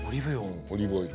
うんオリーブオイル。